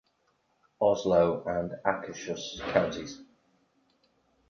Oslo and Akershus counties.